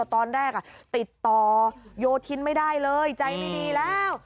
ตอนแรกติดต่อโยธินไม่ได้เลยใจไม่ดีแล้ว